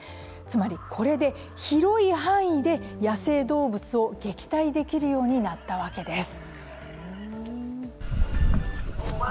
つまりこれで、広い範囲で野生動物を撃退できるようになったわけです。